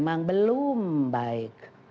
memang belum baik